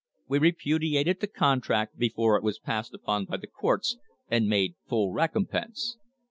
We repudiated the contract before it was passed upon by the courts and made full recompense.